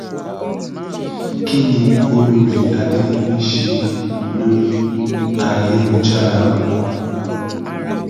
Kíni Olorì Adéyẹmí ṣe lóri ayélujára?